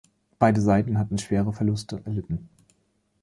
Beide Seiten hatten schwere Verluste erlitten.